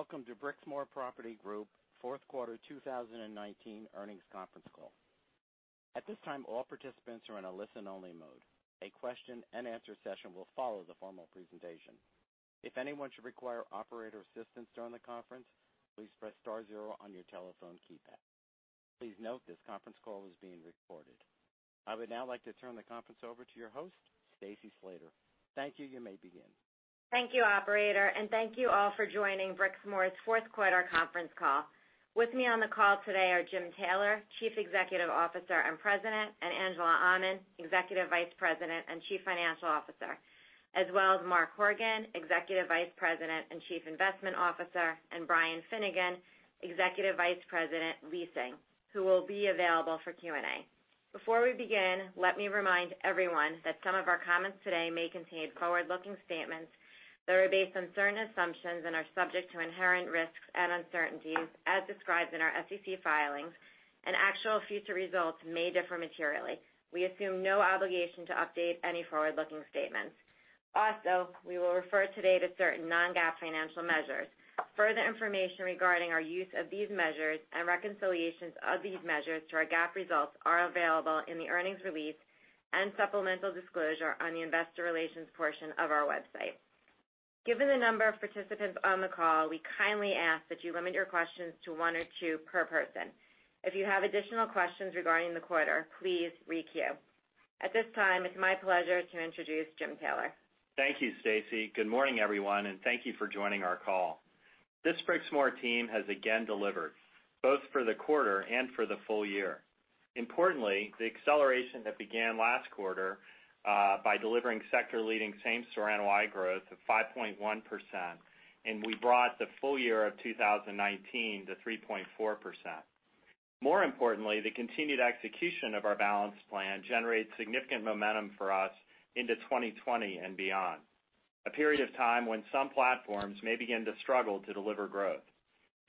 Greetings, welcome to Brixmor Property Group fourth quarter 2019 earnings conference call. At this time, all participants are in a listen-only mode. A question and answer session will follow the formal presentation. If anyone should require operator assistance during the conference, please press star zero on your telephone keypad. Please note this conference call is being recorded. I would now like to turn the conference over to your host, Stacy Slater. Thank you. You may begin. Thank you, operator, and thank you all for joining Brixmor's fourth quarter conference call. With me on the call today are Jim Taylor, Chief Executive Officer and President, and Angela Aman, Executive Vice President and Chief Financial Officer, as well as Mark Horgan, Executive Vice President and Chief Investment Officer, and Brian Finnegan, Executive Vice President, Leasing, who will be available for Q&A. Before we begin, let me remind everyone that some of our comments today may contain forward-looking statements that are based on certain assumptions and are subject to inherent risks and uncertainties as described in our SEC filings. Actual future results may differ materially. We assume no obligation to update any forward-looking statements. Also, we will refer today to certain non-GAAP financial measures. Further information regarding our use of these measures and reconciliations of these measures to our GAAP results are available in the earnings release and supplemental disclosure on the investor relations portion of our website. Given the number of participants on the call, we kindly ask that you limit your questions to one or two per person. If you have additional questions regarding the quarter, please re-queue. At this time, it's my pleasure to introduce Jim Taylor. Thank you, Stacy. Good morning, everyone, and thank you for joining our call. This Brixmor team has again delivered, both for the quarter and for the full year. Importantly, the acceleration that began last quarter, by delivering sector leading same store NOI growth of 5.1%, and we brought the full year of 2019 to 3.4%. More importantly, the continued execution of our balance plan generates significant momentum for us into 2020 and beyond, a period of time when some platforms may begin to struggle to deliver growth.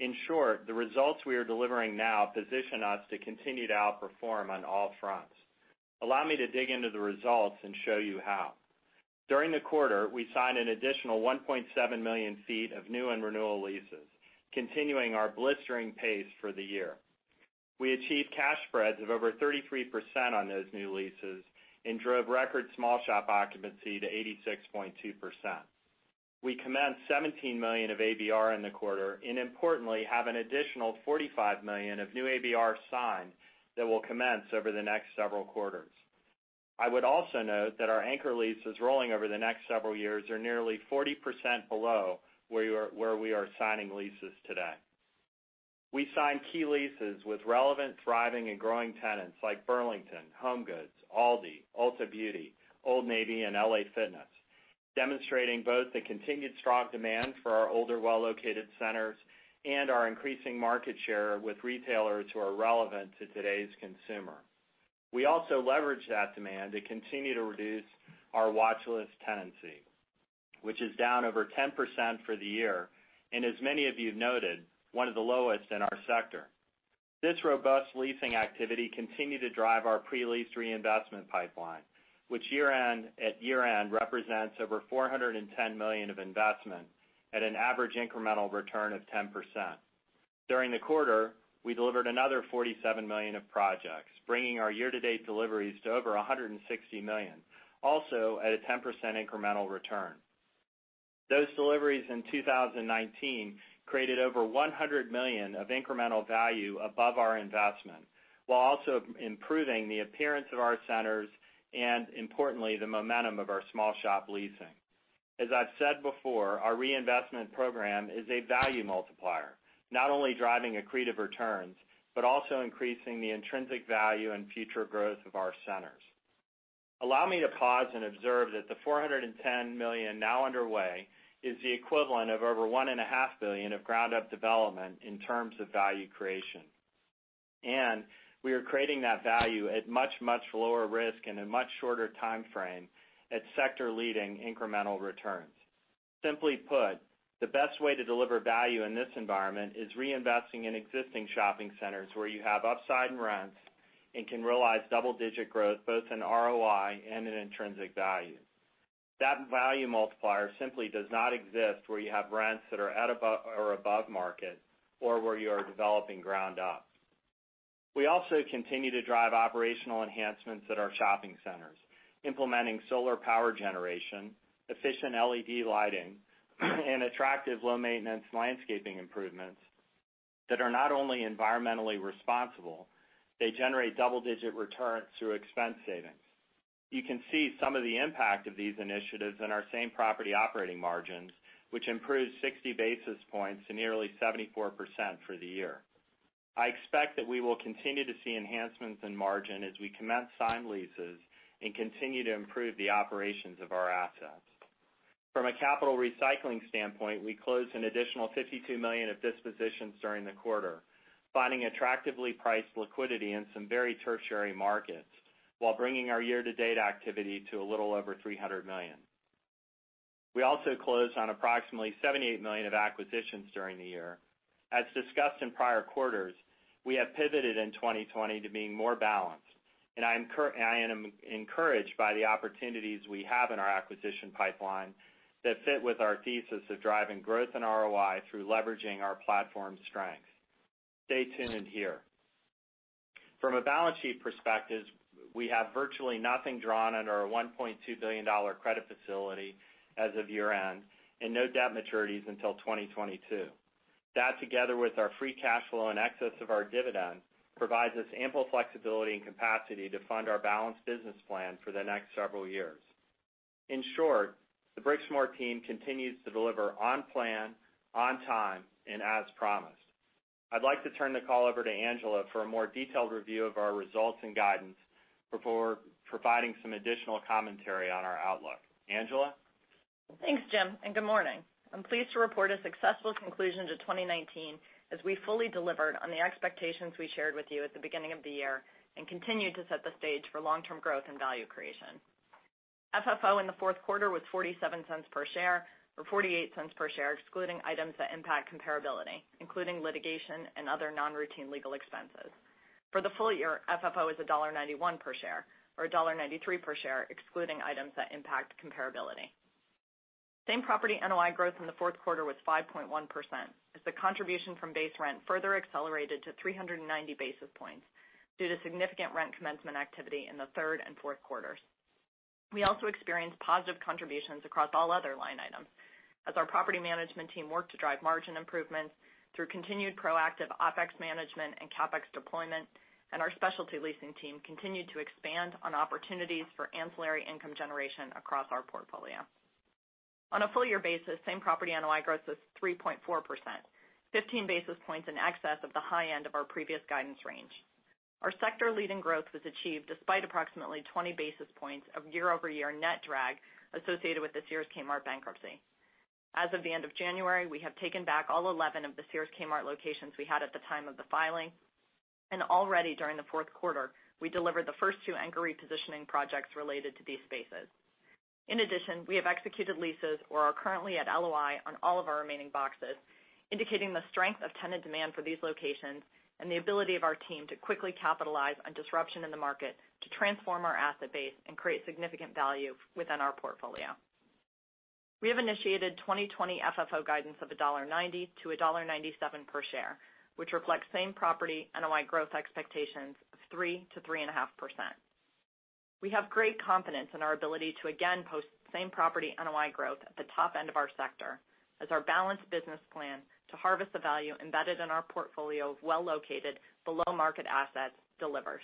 In short, the results we are delivering now position us to continue to outperform on all fronts. Allow me to dig into the results and show you how. During the quarter, we signed an additional 1.7 million feet of new and renewal leases, continuing our blistering pace for the year. We achieved cash spreads of over 33% on those new leases and drove record small shop occupancy to 86.2%. We commenced $17 million of ABR in the quarter and importantly, have an additional $45 million of new ABRs signed that will commence over the next several quarters. I would also note that our anchor leases rolling over the next several years are nearly 40% below where we are signing leases today. We signed key leases with relevant, thriving and growing tenants like Burlington, HomeGoods, Aldi, Ulta Beauty, Old Navy, and L.A. Fitness, demonstrating both the continued strong demand for our older, well-located centers and our increasing market share with retailers who are relevant to today's consumer. We also leverage that demand to continue to reduce our watchlist tenancy, which is down over 10% for the year, and as many of you noted, one of the lowest in our sector. This robust leasing activity continued to drive our pre-lease reinvestment pipeline, which at year-end represents over $410 million of investment at an average incremental return of 10%. During the quarter, we delivered another $47 million of projects, bringing our year-to-date deliveries to over $160 million, also at a 10% incremental return. Those deliveries in 2019 created over $100 million of incremental value above our investment, while also improving the appearance of our centers and importantly, the momentum of our small shop leasing. As I've said before, our reinvestment program is a value multiplier, not only driving accretive returns, but also increasing the intrinsic value and future growth of our centers. Allow me to pause and observe that the $410 million now underway is the equivalent of over $1.5 billion of ground-up development in terms of value creation. We are creating that value at much, much lower risk and a much shorter timeframe at sector-leading incremental returns. Simply put, the best way to deliver value in this environment is reinvesting in existing shopping centers where you have upside in rents and can realize double-digit growth, both in ROI and in intrinsic value. That value multiplier simply does not exist where you have rents that are at or above market, or where you are developing ground up. We also continue to drive operational enhancements at our shopping centers, implementing solar power generation, efficient LED lighting, and attractive low-maintenance landscaping improvements that are not only environmentally responsible, they generate double-digit returns through expense savings. You can see some of the impact of these initiatives in our same property operating margins, which improved 60 basis points to nearly 74% for the year. I expect that we will continue to see enhancements in margin as we commence signed leases and continue to improve the operations of our assets. From a capital recycling standpoint, we closed an additional $52 million of dispositions during the quarter, finding attractively priced liquidity in some very tertiary markets while bringing our year-to-date activity to a little over $300 million. We also closed on approximately $78 million of acquisitions during the year. As discussed in prior quarters, we have pivoted in 2020 to being more balanced. I am encouraged by the opportunities we have in our acquisition pipeline that fit with our thesis of driving growth and ROI through leveraging our platform strength. Stay tuned in here. From a balance sheet perspective, we have virtually nothing drawn under our $1.2 billion credit facility as of year-end and no debt maturities until 2022. That, together with our free cash flow in excess of our dividend, provides us ample flexibility and capacity to fund our balanced business plan for the next several years. In short, the Brixmor team continues to deliver on plan, on time, and as promised. I'd like to turn the call over to Angela for a more detailed review of our results and guidance before providing some additional commentary on our outlook. Angela? Thanks, Jim. Good morning. I'm pleased to report a successful conclusion to 2019 as we fully delivered on the expectations we shared with you at the beginning of the year and continued to set the stage for long-term growth and value creation. FFO in the fourth quarter was $0.47 per share or $0.48 per share, excluding items that impact comparability, including litigation and other non-routine legal expenses. For the full year, FFO is $1.91 per share or $1.93 per share, excluding items that impact comparability. Same-property NOI growth in the fourth quarter was 5.1% as the contribution from base rent further accelerated to 390 basis points due to significant rent commencement activity in the third and fourth quarters. We also experienced positive contributions across all other line items as our property management team worked to drive margin improvements through continued proactive OpEx management and CapEx deployment, and our specialty leasing team continued to expand on opportunities for ancillary income generation across our portfolio. On a full-year basis, same-property NOI growth was 3.4%, 15 basis points in excess of the high end of our previous guidance range. Our sector-leading growth was achieved despite approximately 20 basis points of year-over-year net drag associated with the Sears Kmart bankruptcy. As of the end of January, we have taken back all 11 of the Sears Kmart locations we had at the time of the filing, and already during the fourth quarter, we delivered the first two anchor repositioning projects related to these spaces. In addition, we have executed leases or are currently at LOI on all of our remaining boxes, indicating the strength of tenant demand for these locations and the ability of our team to quickly capitalize on disruption in the market to transform our asset base and create significant value within our portfolio. We have initiated 2020 FFO guidance of $1.90-$1.97 per share, which reflects same-property NOI growth expectations of 3%-3.5%. We have great confidence in our ability to again post same-property NOI growth at the top end of our sector as our balanced business plan to harvest the value embedded in our portfolio of well-located, below-market assets delivers.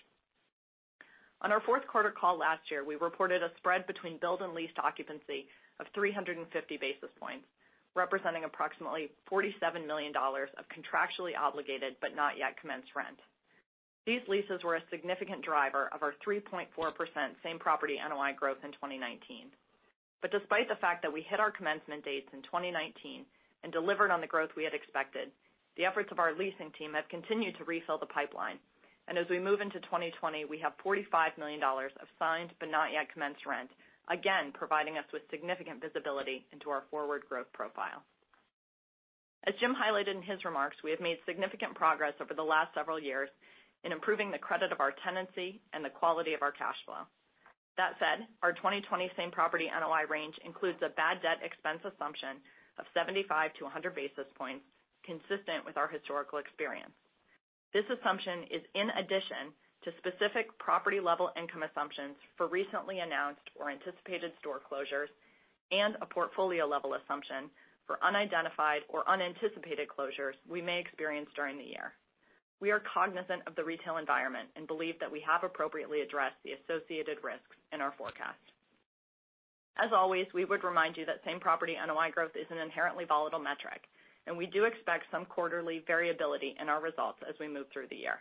On our fourth quarter call last year, we reported a spread between build and leased occupancy of 350 basis points, representing approximately $47 million of contractually obligated but not yet commenced rent. These leases were a significant driver of our 3.4% same-property NOI growth in 2019. Despite the fact that we hit our commencement dates in 2019 and delivered on the growth we had expected, the efforts of our leasing team have continued to refill the pipeline. As we move into 2020, we have $45 million of signed but not yet commenced rent, again providing us with significant visibility into our forward growth profile. As Jim highlighted in his remarks, we have made significant progress over the last several years in improving the credit of our tenancy and the quality of our cash flow. That said, our 2020 same-property NOI range includes a bad debt expense assumption of 75-100 basis points, consistent with our historical experience. This assumption is in addition to specific property-level income assumptions for recently announced or anticipated store closures and a portfolio-level assumption for unidentified or unanticipated closures we may experience during the year. We are cognizant of the retail environment and believe that we have appropriately addressed the associated risks in our forecast. As always, we would remind you that same-property NOI growth is an inherently volatile metric, and we do expect some quarterly variability in our results as we move through the year.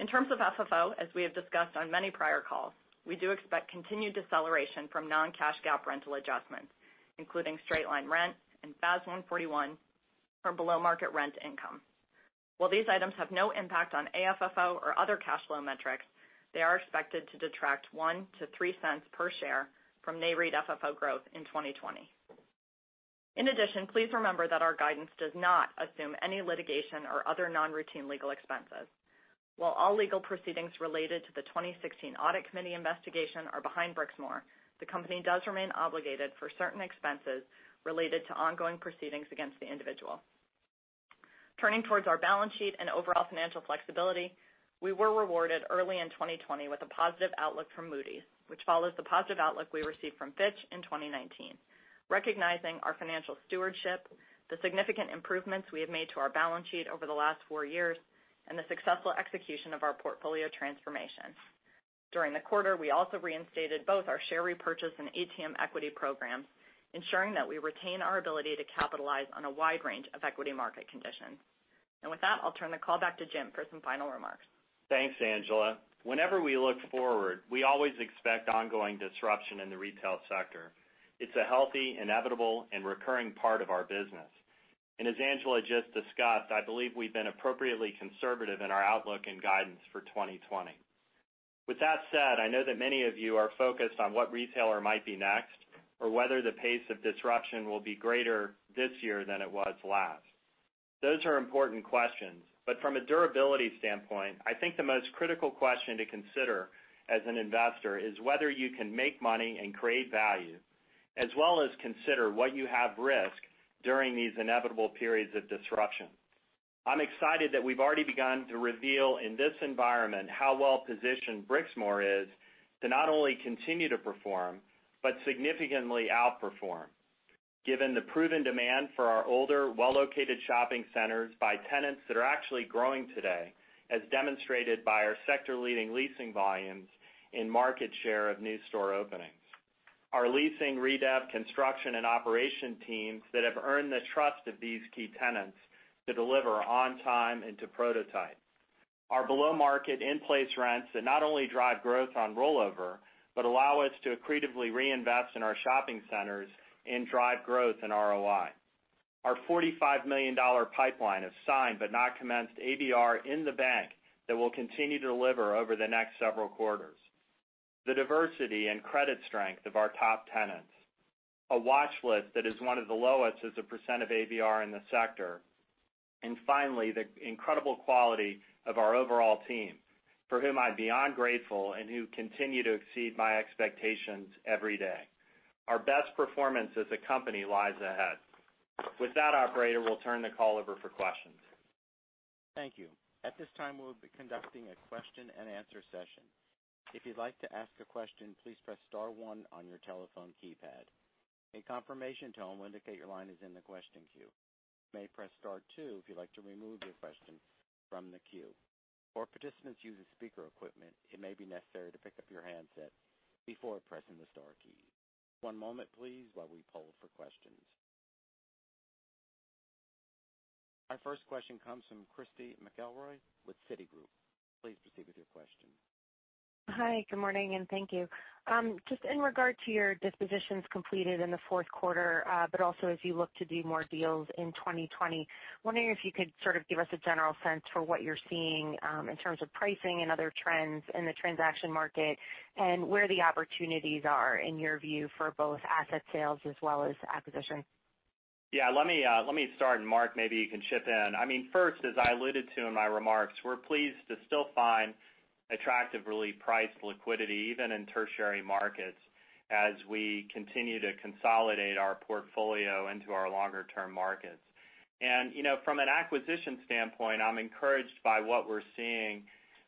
In terms of FFO, as we have discussed on many prior calls, we do expect continued deceleration from non-cash GAAP rental adjustments, including straight-line rent and FAS 141 from below-market rent income. While these items have no impact on AFFO or other cash flow metrics, they are expected to detract $0.01-$0.03 per share from NAREIT FFO growth in 2020. In addition, please remember that our guidance does not assume any litigation or other non-routine legal expenses. While all legal proceedings related to the 2016 audit committee investigation are behind Brixmor, the company does remain obligated for certain expenses related to ongoing proceedings against the individual. Turning towards our balance sheet and overall financial flexibility, we were rewarded early in 2020 with a positive outlook from Moody's, which follows the positive outlook we received from Fitch in 2019, recognizing our financial stewardship, the significant improvements we have made to our balance sheet over the last four years, and the successful execution of our portfolio transformation. During the quarter, we also reinstated both our share repurchase and ATM equity programs, ensuring that we retain our ability to capitalize on a wide range of equity market conditions. With that, I'll turn the call back to Jim for some final remarks. Thanks, Angela. Whenever we look forward, we always expect ongoing disruption in the retail sector. It's a healthy, inevitable, and recurring part of our business. As Angela just discussed, I believe we've been appropriately conservative in our outlook and guidance for 2020. With that said, I know that many of you are focused on what retailer might be next or whether the pace of disruption will be greater this year than it was last. Those are important questions. From a durability standpoint, I think the most critical question to consider as an investor is whether you can make money and create value, as well as consider what you have risked during these inevitable periods of disruption. I'm excited that we've already begun to reveal in this environment how well-positioned Brixmor is to not only continue to perform, but significantly outperform. Given the proven demand for our older, well-located shopping centers by tenants that are actually growing today, as demonstrated by our sector-leading leasing volumes in market share of new store openings. Our leasing, redevelopment, construction, and operation teams that have earned the trust of these key tenants to deliver on time and to prototype. Our below-market in-place rents that not only drive growth on rollover, but allow us to accretively reinvest in our shopping centers and drive growth in ROI. Our $45 million pipeline of signed but not commenced ABR in the bank that will continue to deliver over the next several quarters. The diversity and credit strength of our top tenants. A watch list that is one of the lowest as a percent of ABR in the sector. Finally, the incredible quality of our overall team, for whom I'm beyond grateful and who continue to exceed my expectations every day. Our best performance as a company lies ahead. With that, operator, we'll turn the call over for questions. Thank you. At this time, we'll be conducting a question and answer session. If you'd like to ask a question, please press star one on your telephone keypad. A confirmation tone will indicate your line is in the question queue. You may press star two if you'd like to remove your question from the queue. For participants using speaker equipment, it may be necessary to pick up your handset before pressing the star keys. One moment, please, while we poll for questions. Our first question comes from Christy McElroy with Citigroup. Please proceed with your question. Hi, good morning, and thank you. Just in regard to your dispositions completed in the fourth quarter, but also as you look to do more deals in 2020, wondering if you could sort of give us a general sense for what you're seeing in terms of pricing and other trends in the transaction market, and where the opportunities are in your view for both asset sales as well as acquisition? Yeah, let me start. Mark, maybe you can chip in. First, as I alluded to in my remarks, we're pleased to still find attractively priced liquidity, even in tertiary markets as we continue to consolidate our portfolio into our longer-term markets. From an acquisition standpoint, I'm encouraged by what we're seeing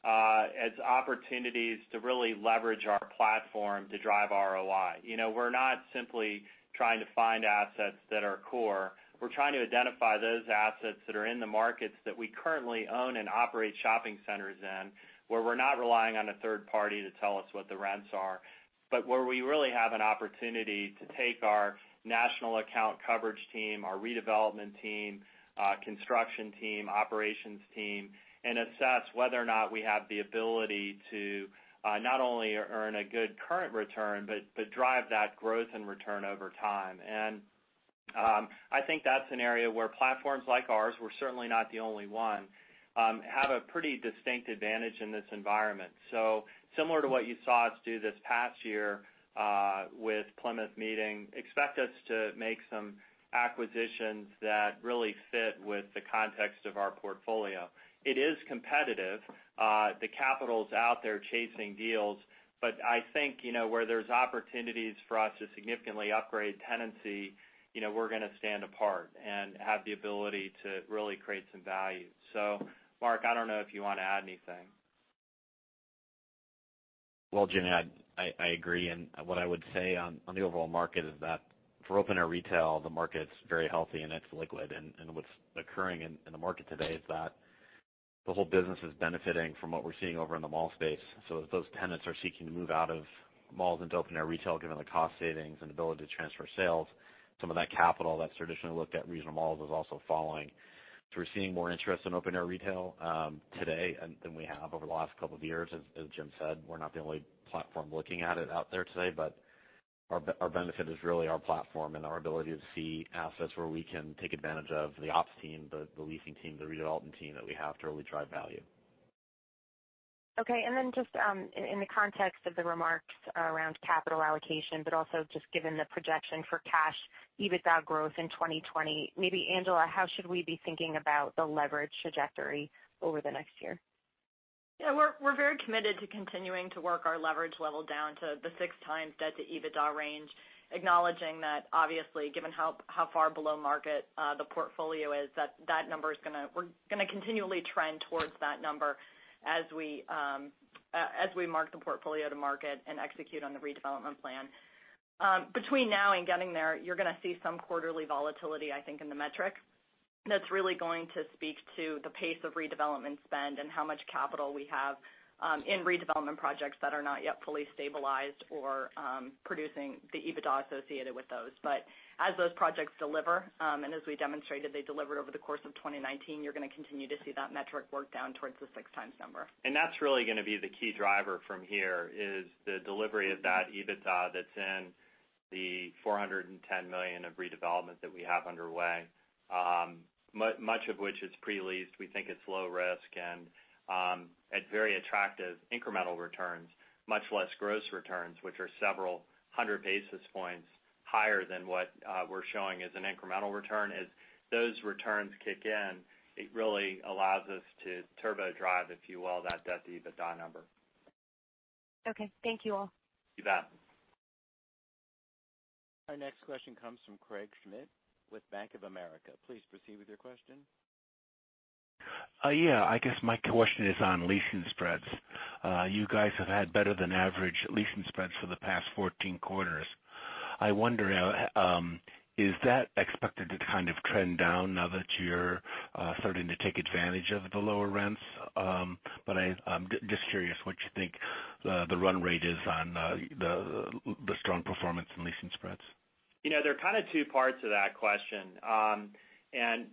as opportunities to really leverage our platform to drive ROI. We're not simply trying to find assets that are core. We're trying to identify those assets that are in the markets that we currently own and operate shopping centers in, where we're not relying on a third party to tell us what the rents are. Where we really have an opportunity to take our national account coverage team, our redevelopment team, construction team, operations team, and assess whether or not we have the ability to not only earn a good current return, but drive that growth and return over time. I think that's an area where platforms like ours, we're certainly not the only one, have a pretty distinct advantage in this environment. Similar to what you saw us do this past year with Plymouth Meeting, expect us to make some acquisitions that really fit with the context of our portfolio. It is competitive. The capital's out there chasing deals, but I think, where there's opportunities for us to significantly upgrade tenancy, we're going to stand apart and have the ability to really create some value. Mark, I don't know if you want to add anything. Well, Jimmy, I agree, what I would say on the overall market is that for open-air retail, the market's very healthy and it's liquid. What's occurring in the market today is that the whole business is benefiting from what we're seeing over in the mall space. As those tenants are seeking to move out of malls into open-air retail, given the cost savings and ability to transfer sales, some of that capital that's traditionally looked at regional malls is also following. We're seeing more interest in open-air retail today than we have over the last couple of years. As Jim said, we're not the only platform looking at it out there today, but our benefit is really our platform and our ability to see assets where we can take advantage of the ops team, the leasing team, the redevelopment team that we have to really drive value. Okay. Just in the context of the remarks around capital allocation, but also just given the projection for cash EBITDA growth in 2020, maybe Angela, how should we be thinking about the leverage trajectory over the next year? We're very committed to continuing to work our leverage level down to the 6 times debt to EBITDA range, acknowledging that obviously, given how far below market the portfolio is, that number is going to continually trend towards that number as we mark the portfolio to market and execute on the redevelopment plan. Between now and getting there, you're going to see some quarterly volatility, I think, in the metric that's really going to speak to the pace of redevelopment spend and how much capital we have in redevelopment projects that are not yet fully stabilized or producing the EBITDA associated with those. As those projects deliver, and as we demonstrated they delivered over the course of 2019, you're going to continue to see that metric work down towards the 6 times number. That's really going to be the key driver from here, is the delivery of that EBITDA that's in the $410 million of redevelopment that we have underway. Much of which is pre-leased. We think it's low risk and at very attractive incremental returns, much less gross returns, which are several hundred basis points higher than what we're showing as an incremental return. As those returns kick in, it really allows us to turbo drive, if you will, that debt to EBITDA number. Okay. Thank you all. You bet. Our next question comes from Craig Schmidt with Bank of America. Please proceed with your question. Yeah. I guess my question is on leasing spreads. You guys have had better than average leasing spreads for the past 14 quarters. I wonder, is that expected to kind of trend down now that you're starting to take advantage of the lower rents? I'm just curious what you think the run rate is on the strong performance in leasing spreads. There are kind of two parts to that question.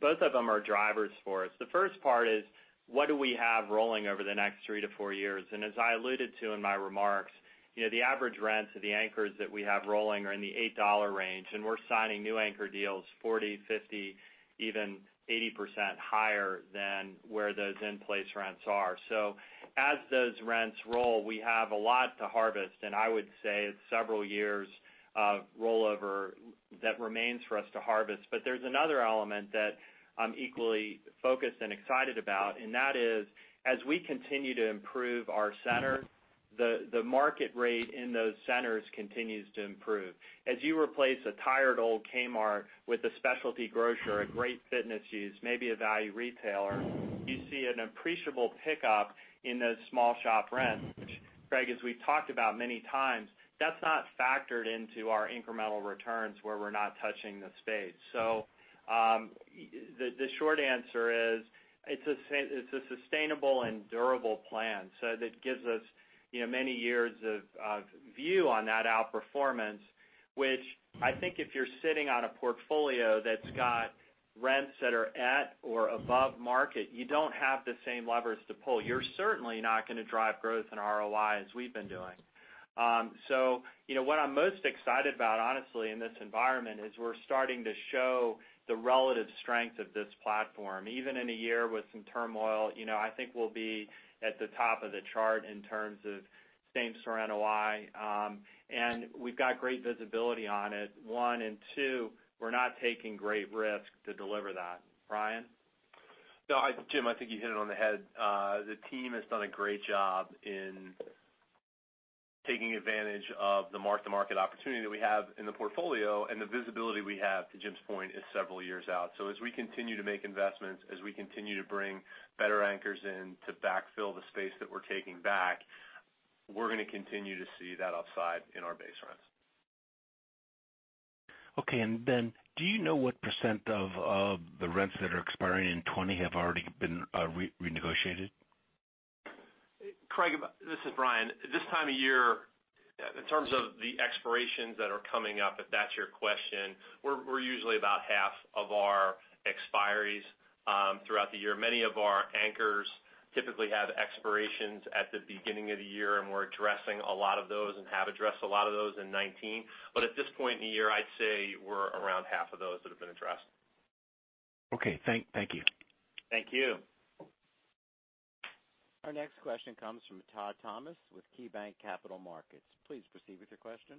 Both of them are drivers for us. The first part is, what do we have rolling over the next three to four years? As I alluded to in my remarks, the average rents of the anchors that we have rolling are in the $8 range, and we're signing new anchor deals 40%, 50%, even 80% higher than where those in-place rents are. As those rents roll, we have a lot to harvest, and I would say it's several years of rollover that remains for us to harvest. There's another element that I'm equally focused and excited about, and that is, as we continue to improve our center, the market rate in those centers continues to improve. As you replace a tired old Kmart with a specialty grocer, a great fitness use, maybe a value retailer, you see an appreciable pickup in those small shop rents, which Craig, as we've talked about many times, that's not factored into our incremental returns where we're not touching the space. The short answer is, it's a sustainable and durable plan. That gives us many years of view on that outperformance, which I think if you're sitting on a portfolio that's got rents that are at or above market, you don't have the same leverage to pull. You're certainly not going to drive growth in ROI as we've been doing. What I'm most excited about, honestly, in this environment is we're starting to show the relative strength of this platform. Even in a year with some turmoil, I think we'll be at the top of the chart in terms of same-store NOI. We've got great visibility on it, one, and two, we're not taking great risk to deliver that. Brian? No, Jim, I think you hit it on the head. The team has done a great job in taking advantage of the mark-to-market opportunity that we have in the portfolio, and the visibility we have, to Jim's point, is several years out. As we continue to make investments, as we continue to bring better anchors in to backfill the space that we're taking back, we're going to continue to see that upside in our base rents. Okay. Then do you know what % of the rents that are expiring in 2020 have already been renegotiated? Craig, this is Brian. This time of year, in terms of the expirations that are coming up, if that's your question, we're usually about half of our expiries throughout the year. Many of our anchors typically have expirations at the beginning of the year, we're addressing a lot of those and have addressed a lot of those in 2019. At this point in the year, I'd say we're around half of those that have been addressed. Okay. Thank you. Thank you. Our next question comes from Todd Thomas with KeyBanc Capital Markets. Please proceed with your question.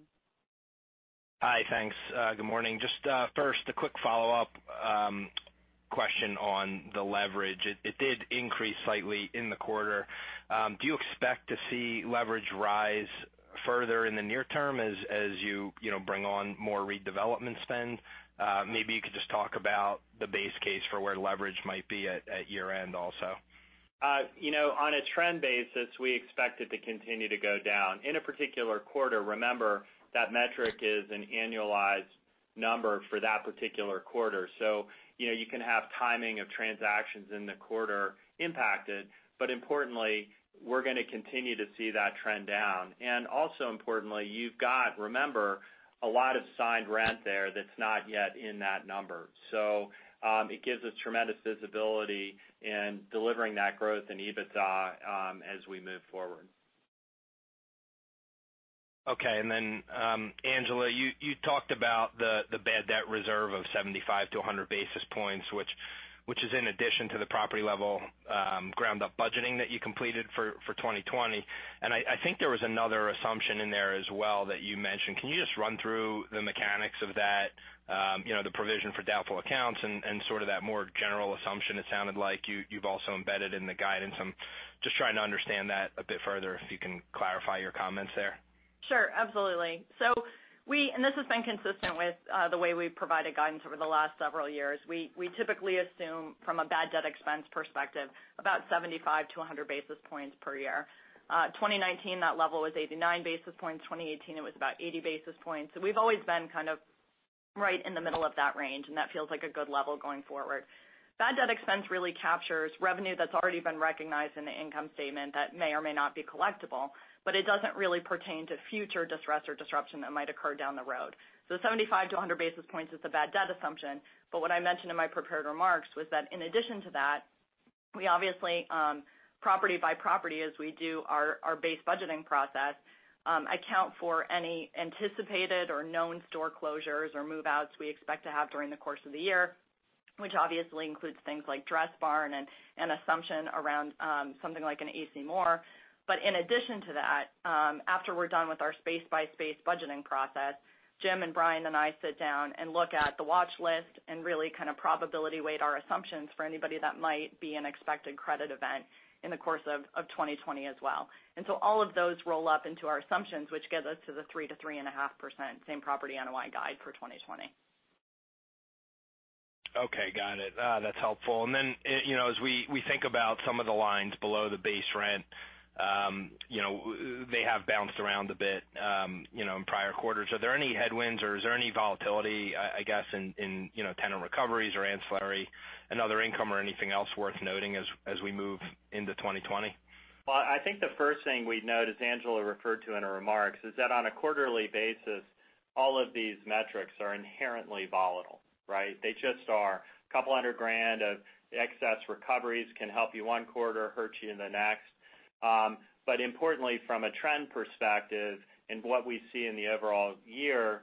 Hi. Thanks. Good morning. Just first, a quick follow-up question on the leverage. It did increase slightly in the quarter. Do you expect to see leverage rise further in the near term as you bring on more redevelopment spend? Maybe you could just talk about the base case for where leverage might be at year-end also. On a trend basis, we expect it to continue to go down. In a particular quarter, remember, that metric is an annualized number for that particular quarter. You can have timing of transactions in the quarter impacted, but importantly, we're going to continue to see that trend down. Also importantly, you've got, remember, a lot of signed rent there that's not yet in that number. It gives us tremendous visibility in delivering that growth in EBITDA as we move forward. Okay. Angela, you talked about the bad debt reserve of 75 to 100 basis points, which is in addition to the property-level ground-up budgeting that you completed for 2020. I think there was another assumption in there as well that you mentioned. Can you just run through the mechanics of that, the provision for doubtful accounts and sort of that more general assumption it sounded like you've also embedded in the guidance? I'm just trying to understand that a bit further, if you can clarify your comments there. Sure. Absolutely. We, and this has been consistent with the way we've provided guidance over the last several years, we typically assume from a bad debt expense perspective, about 75 to 100 basis points per year. 2019, that level was 89 basis points. 2018, it was about 80 basis points. We've always been kind of right in the middle of that range, and that feels like a good level going forward. Bad debt expense really captures revenue that's already been recognized in the income statement that may or may not be collectible, but it doesn't really pertain to future distress or disruption that might occur down the road. 75-100 basis points is the bad debt assumption, but what I mentioned in my prepared remarks was that in addition to that, we obviously, property by property as we do our base budgeting process, account for any anticipated or known store closures or move-outs we expect to have during the course of the year. Which obviously includes things like Dressbarn and assumption around something like an A.C. Moore. In addition to that, after we're done with our space-by-space budgeting process, Jim and Brian and I sit down and look at the watch list and really kind of probability weight our assumptions for anybody that might be an expected credit event in the course of 2020 as well. All of those roll up into our assumptions, which gets us to the 3%-3.5% same-property NOI guide for 2020. Okay, got it. That's helpful. As we think about some of the lines below the base rent, they have bounced around a bit, in prior quarters. Are there any headwinds or is there any volatility, I guess, in tenant recoveries or ancillary and other income or anything else worth noting as we move into 2020? Well, I think the first thing we'd note, as Angela referred to in her remarks, is that on a quarterly basis, all of these metrics are inherently volatile. Right? They just are. A couple of hundred grand of excess recoveries can help you one quarter, hurt you in the next. Importantly, from a trend perspective and what we see in the overall year,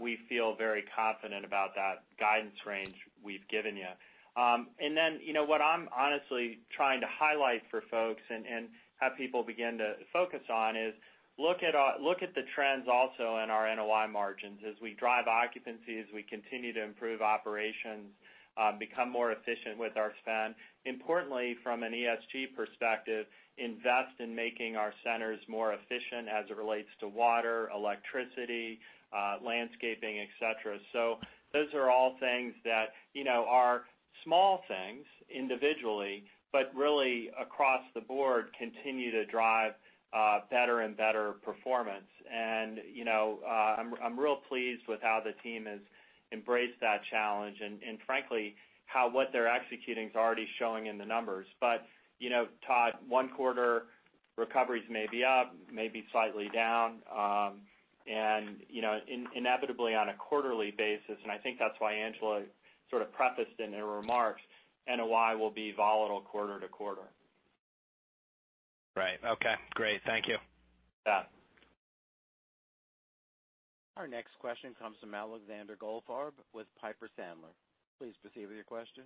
we feel very confident about that guidance range we've given you. What I'm honestly trying to highlight for folks and have people begin to focus on is, look at the trends also in our NOI margins. As we drive occupancies, we continue to improve operations, become more efficient with our spend. Importantly, from an ESG perspective, invest in making our centers more efficient as it relates to water, electricity, landscaping, et cetera. Those are all things that are small things individually, but really across the board, continue to drive better and better performance. I'm real pleased with how the team has embraced that challenge and frankly, how what they're executing is already showing in the numbers. Todd, one quarter recoveries may be up, may be slightly down. Inevitably on a quarterly basis, and I think that's why Angela sort of prefaced it in her remarks, NOI will be volatile quarter to quarter. Right. Okay, great. Thank you. Yeah. Our next question comes from Alexander Goldfarb with Piper Sandler. Please proceed with your question.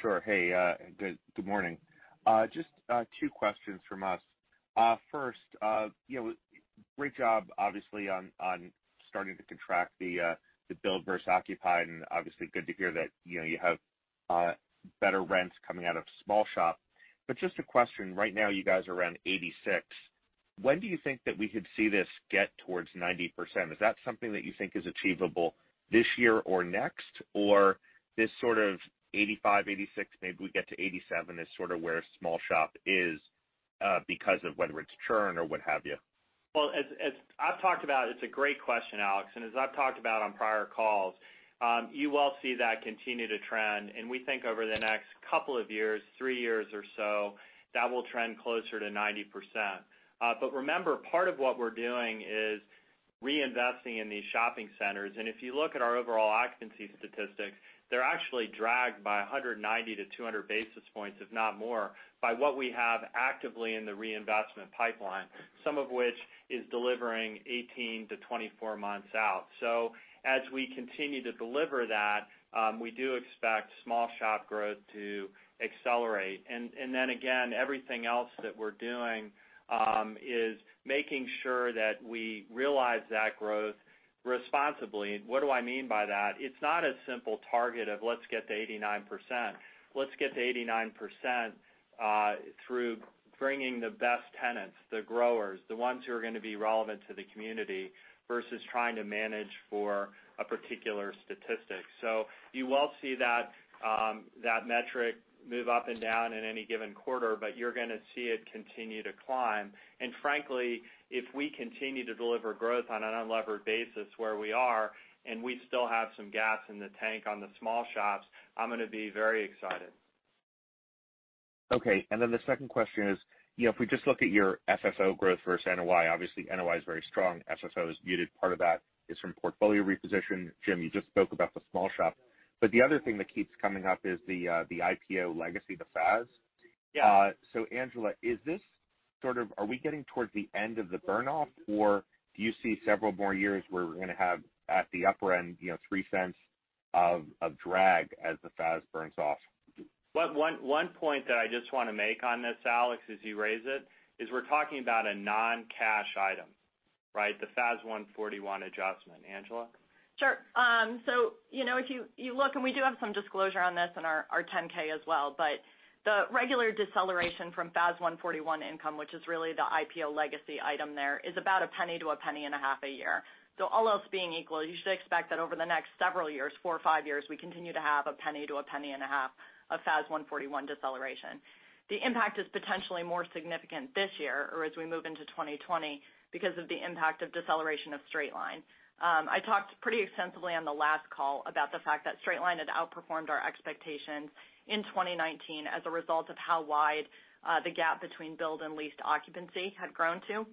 Sure. Hey, good morning. Just two questions from us. First, great job, obviously, on starting to contract the build versus occupied, obviously good to hear that you have better rents coming out of small shop. Just a question, right now, you guys are around 86. When do you think that we could see this get towards 90%? Is that something that you think is achievable this year or next? This sort of 85, 86, maybe we get to 87, is sort of where small shop is, because of whether it's churn or what have you. It's a great question, Alex, and as I've talked about on prior calls, you will see that continue to trend. We think over the next couple of years, three years or so, that will trend closer to 90%. Remember, part of what we're doing is reinvesting in these shopping centers. If you look at our overall occupancy statistics, they're actually dragged by 190 to 200 basis points, if not more, by what we have actively in the reinvestment pipeline, some of which is delivering 18 to 24 months out. As we continue to deliver that, we do expect small shop growth to accelerate. Again, everything else that we're doing is making sure that we realize that growth responsibly. What do I mean by that? It's not a simple target of let's get to 89%. Let's get to 89% through bringing the best tenants, the growers, the ones who are going to be relevant to the community versus trying to manage for a particular statistic. You will see that metric move up and down in any given quarter, but you're going to see it continue to climb. Frankly, if we continue to deliver growth on an unlevered basis where we are, and we still have some gas in the tank on the small shops, I'm going to be very excited. The second question is, if we just look at your FFO growth versus NOI, obviously NOI is very strong, FFO is muted. Part of that is from portfolio reposition. Jim, you just spoke about the small shop. The other thing that keeps coming up is the IPO legacy, the FAS. Yeah. Angela, are we getting towards the end of the burn-off or do you see several more years where we're going to have, at the upper end, $0.03 of drag as the FAS burns off? One point that I just want to make on this, Alex, as you raise it, is we're talking about a non-cash item. Right? The FAS 141 adjustment. Angela? Sure. If you look, and we do have some disclosure on this in our 10-K as well, but the regular deceleration from FAS 141 income, which is really the IPO legacy item there, is about $0.01 to $0.015 a year. All else being equal, you should expect that over the next several years, four or five years, we continue to have $0.01 to $0.015 of FAS 141 deceleration. The impact is potentially more significant this year, or as we move into 2020, because of the impact of deceleration of straight line. I talked pretty extensively on the last call about the fact that straight line had outperformed our expectations in 2019 as a result of how wide the gap between build and leased occupancy had grown to,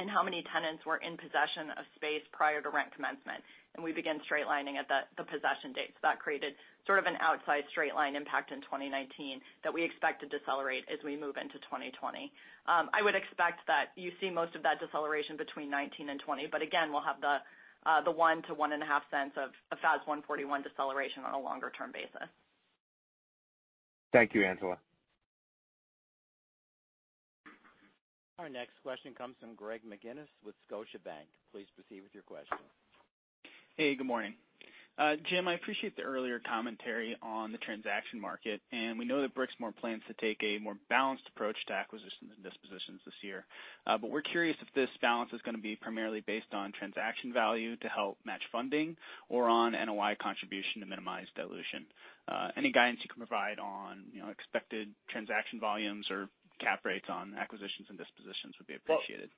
and how many tenants were in possession of space prior to rent commencement. We began straight lining at the possession date. That created sort of an outside straight line impact in 2019 that we expect to decelerate as we move into 2020. I would expect that you see most of that deceleration between 2019 and 2020. Again, we'll have the $0.01-$0.015 of FAS 141 deceleration on a longer-term basis. Thank you, Angela. Our next question comes from Greg McGinniss with Scotiabank. Please proceed with your question. Hey, good morning. Jim, I appreciate the earlier commentary on the transaction market, and we know that Brixmor plans to take a more balanced approach to acquisition than dispositions this year. We're curious if this balance is going to be primarily based on transaction value to help match funding or on NOI contribution to minimize dilution. Any guidance you can provide on expected transaction volumes or CapEx rates on acquisitions and dispositions would be appreciated.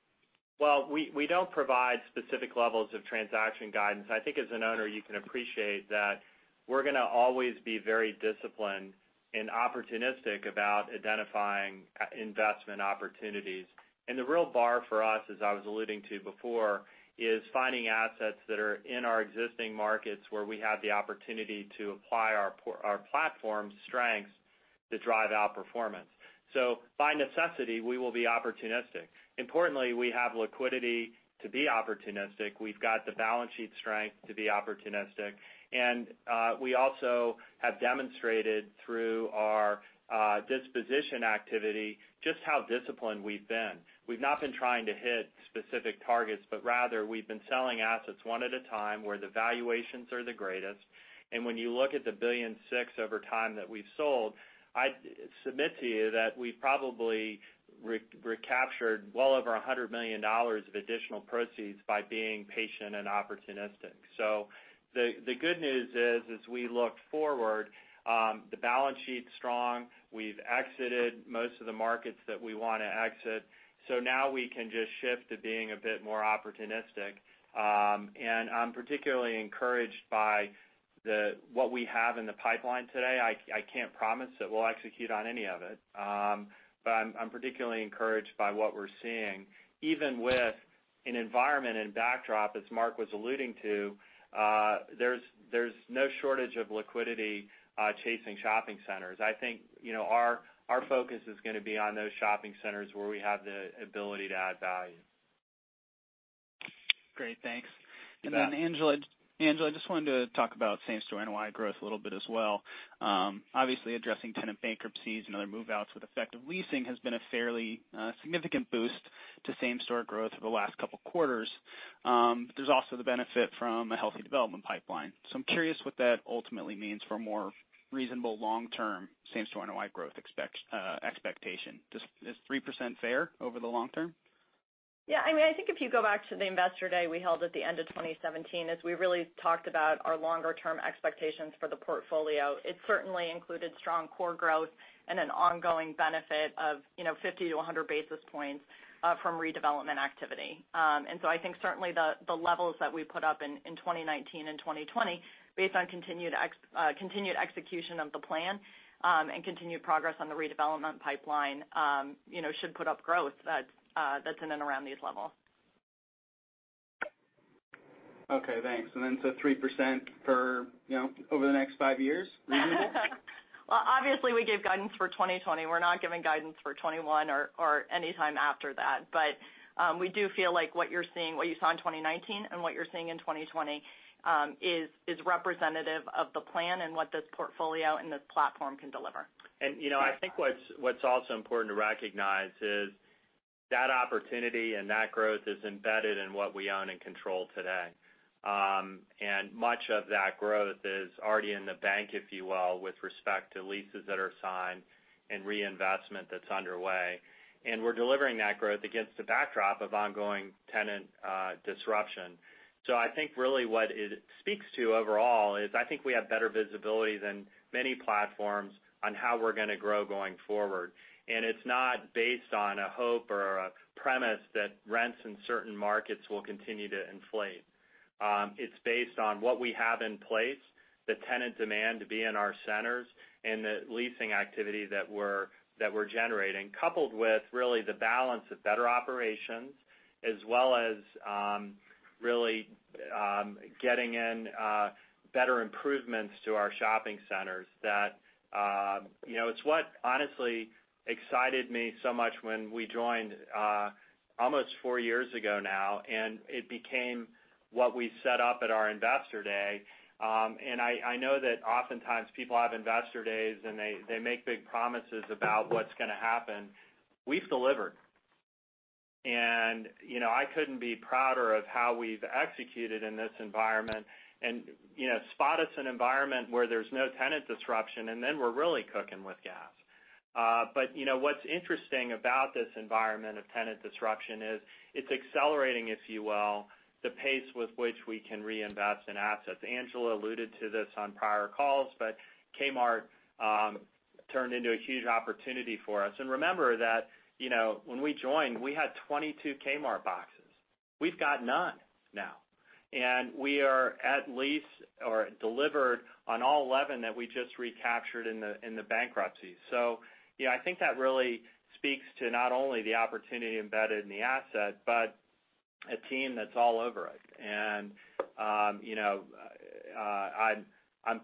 Well, we don't provide specific levels of transaction guidance. I think as an owner, you can appreciate that we're going to always be very disciplined and opportunistic about identifying investment opportunities. The real bar for us, as I was alluding to before, is finding assets that are in our existing markets where we have the opportunity to apply our platform strengths to drive outperformance. By necessity, we will be opportunistic. Importantly, we have liquidity to be opportunistic. We've got the balance sheet strength to be opportunistic. We also have demonstrated through our disposition activity just how disciplined we've been. We've not been trying to hit specific targets, but rather, we've been selling assets one at a time where the valuations are the greatest. When you look at the $1.6 billion over time that we've sold, I'd submit to you that we've probably recaptured well over $100 million of additional proceeds by being patient and opportunistic. The good news is, as we look forward, the balance sheet's strong. We've exited most of the markets that we want to exit. Now we can just shift to being a bit more opportunistic. I'm particularly encouraged by what we have in the pipeline today. I can't promise that we'll execute on any of it, but I'm particularly encouraged by what we're seeing. Even with an environment and backdrop, as Mark was alluding to, there's no shortage of liquidity chasing shopping centers. I think our focus is going to be on those shopping centers where we have the ability to add value. Great. Thanks. You bet. Angela, I just wanted to talk about same-store NOI growth a little bit as well. Obviously, addressing tenant bankruptcies and other move-outs with effective leasing has been a fairly significant boost to same-store growth over the last couple of quarters. There's also the benefit from a healthy development pipeline. I'm curious what that ultimately means for more reasonable long-term same-store NOI growth expectation. Is 3% fair over the long term? Yeah. I think if you go back to the investor day we held at the end of 2017, as we really talked about our longer-term expectations for the portfolio, it certainly included strong core growth and an ongoing benefit of 50 to 100 basis points from redevelopment activity. I think certainly the levels that we put up in 2019 and 2020, based on continued execution of the plan and continued progress on the redevelopment pipeline, should put up growth that's in and around these levels. Okay, thanks. 3% over the next five years, reasonable? Well, obviously, we gave guidance for 2020. We're not giving guidance for 2021 or any time after that. We do feel like what you saw in 2019 and what you're seeing in 2020 is representative of the plan and what this portfolio and this platform can deliver. I think what's also important to recognize is that opportunity and that growth is embedded in what we own and control today. Much of that growth is already in the bank, if you will, with respect to leases that are signed and reinvestment that's underway. We're delivering that growth against the backdrop of ongoing tenant disruption. I think really what it speaks to overall is I think we have better visibility than many platforms on how we're going to grow going forward. It's not based on a hope or a premise that rents in certain markets will continue to inflate. It's based on what we have in place, the tenant demand to be in our centers, and the leasing activity that we're generating, coupled with really the balance of better operations as well as really getting in better improvements to our shopping centers that it's what honestly excited me so much when we joined almost four years ago now, and it became what we set up at our investor day. I know that oftentimes people have investor days, and they make big promises about what's going to happen. We've delivered. I couldn't be prouder of how we've executed in this environment. Spot us an environment where there's no tenant disruption, and then we're really cooking with gas. What's interesting about this environment of tenant disruption is it's accelerating, if you will, the pace with which we can reinvest in assets. Angela alluded to this on prior calls. Kmart turned into a huge opportunity for us. Remember that when we joined, we had 22 Kmart boxes. We've got none now. We are at lease or delivered on all 11 that we just recaptured in the bankruptcy. Yeah, I think that really speaks to not only the opportunity embedded in the asset but a team that's all over it. I'm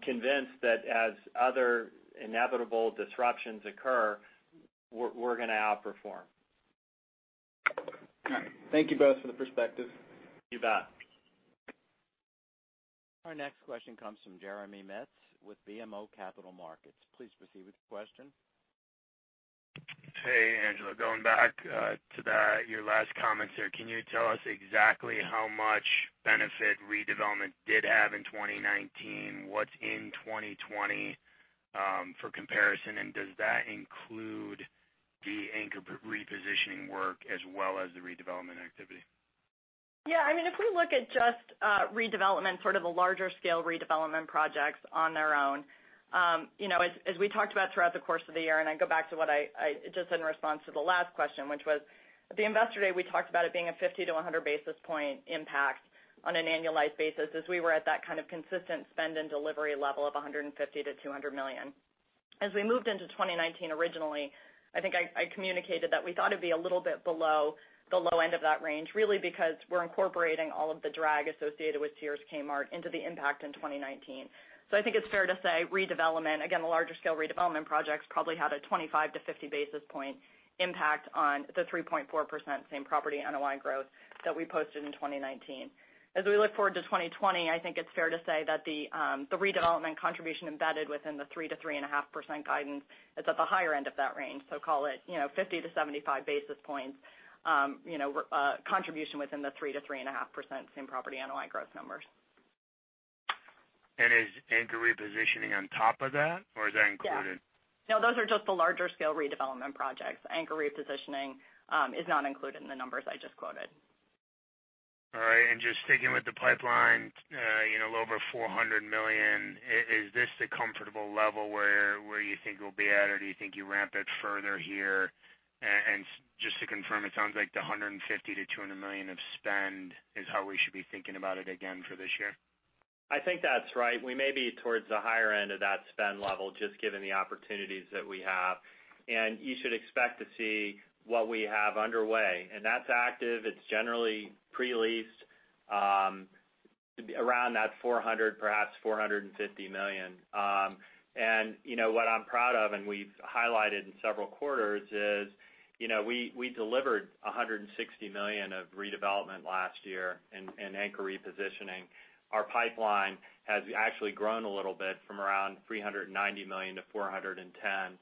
convinced that as other inevitable disruptions occur, we're going to outperform. Thank you both for the perspective. You bet. Our next question comes from Jeremy Metz with BMO Capital Markets. Please proceed with your question. Hey, Angela. Going back to your last comments there, can you tell us exactly how much benefit redevelopment did have in 2019? What's in 2020 for comparison, and does that include the anchor repositioning work as well as the redevelopment activity? Yeah. If we look at just redevelopment, sort of the larger scale redevelopment projects on their own, as we talked about throughout the course of the year, and I go back to what I just said in response to the last question, which was at the investor day, we talked about it being a 50 to 100 basis point impact on an annualized basis as we were at that kind of consistent spend and delivery level of $150 million-$200 million. As we moved into 2019 originally, I think I communicated that we thought it'd be a little bit below the low end of that range, really because we're incorporating all of the drag associated with Sears Kmart into the impact in 2019. I think it's fair to say redevelopment, again, the larger scale redevelopment projects probably had a 25-50 basis point impact on the 3.4% same property NOI growth that we posted in 2019. As we look forward to 2020, I think it's fair to say that the redevelopment contribution embedded within the 3%-3.5% guidance is at the higher end of that range. Call it 50-75 basis points contribution within the 3%-3.5% same property NOI growth numbers. Is anchor repositioning on top of that, or is that included? No, those are just the larger scale redevelopment projects. Anchor repositioning is not included in the numbers I just quoted. All right. Just sticking with the pipeline, a little over $400 million. Is this the comfortable level where you think you'll be at, or do you think you ramp it further here? Just to confirm, it sounds like the $150 million-$200 million of spend is how we should be thinking about it again for this year. I think that's right. We may be towards the higher end of that spend level, just given the opportunities that we have. You should expect to see what we have underway. That's active, it's generally pre-leased, around that $400 million, perhaps $450 million. What I'm proud of, and we've highlighted in several quarters is, we delivered $160 million of redevelopment last year in anchor repositioning. Our pipeline has actually grown a little bit from around $390 million-$410 million.